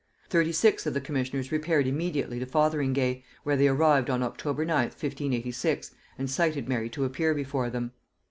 Thirty six of the commissioners repaired immediately to Fotheringay, where they arrived on October 9th 1586, and cited Mary to appear before them.